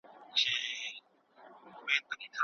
موږ باید بدلونونو ته چمتو اوسو.